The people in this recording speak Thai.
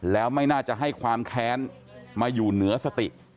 แล้วไม่น่าจะให้ความแค้นมาอยู่เหนือสติ